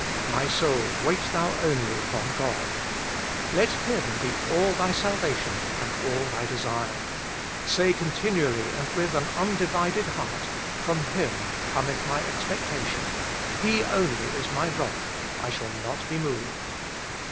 ' My soul, wait thou only upon God ;' let Him be all thy salvation and all thy desire. Say continually and vidth an undivided heart, * From Him cometh my 148 WAITING ON GOD/ expectation j He only is my Rock ; I shaV not be moved.'